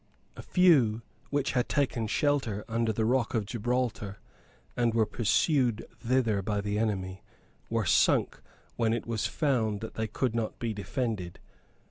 A few, which had taken shelter under the rock of Gibraltar, and were pursued thither by the enemy, were sunk when it was found that they could not be defended.